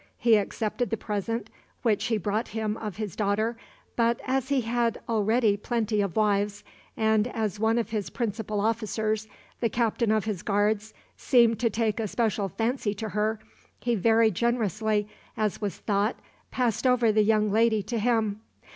He accepted the present which he brought him of his daughter, but, as he had already plenty of wives, and as one of his principal officers, the captain of his guards, seemed to take a special fancy to her, he very generously, as was thought, passed over the young lady to him.